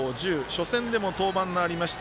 初戦でも登板がありました